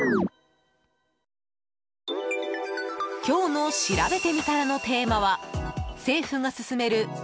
今日のしらべてみたらのテーマは政府が進める